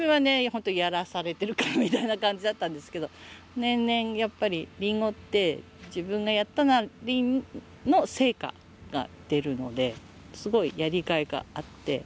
本当やらされているからみたいな感じだったんですけど年々やっぱりリンゴって自分がやったなりの成果が出るのですごくやりがいがあって。